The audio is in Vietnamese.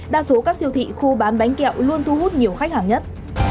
đa số các siêu thị khu bán bánh kẹo luôn thu hút nhiều khách hàng nhất